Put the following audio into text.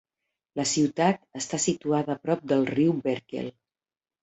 La ciutat està situada a prop del riu Berkel.